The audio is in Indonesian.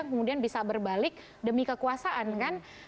kemudian bisa berbalik demi kekuasaan kan